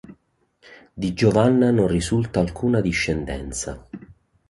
Di Giovanna non risulta alcuna discendenza.